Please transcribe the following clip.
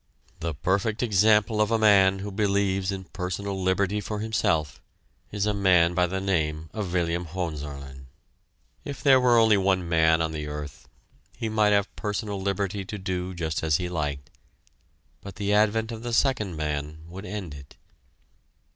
The perfect example of a man who believes in personal liberty for himself is a man by the name of William Hohenzollern. If there were only one man on the earth, he might have personal liberty to do just as he liked, but the advent of the second man would end it.